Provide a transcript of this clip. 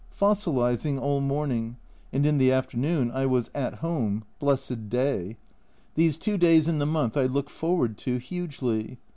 Fossilising all morning, and in the afternoon I was '' at home " blessed day ! These two days in the month I look forward to hugely.